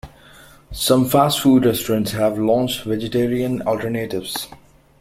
Some fast food restaurants have launched vegetarian alternatives.